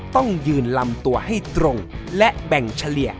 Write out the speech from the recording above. ต้องยืนลำตัวให้ตรงและแบ่งเฉลี่ย